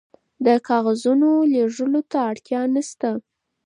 د کاغذونو لیږلو ته اړتیا نشته.